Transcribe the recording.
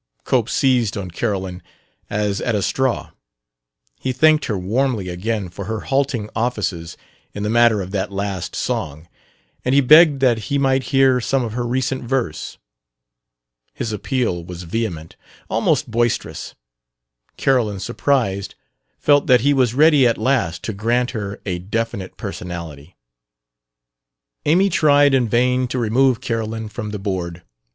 Cope seized on Carolyn as at a straw. He thanked her warmly again for her halting offices in the matter of that last song, and he begged that he might hear some of her recent verse. His appeal was vehement, almost boisterous: Carolyn, surprised, felt that he was ready at last to grant her a definite personality. Amy tried in vain to remove Carolyn from the board.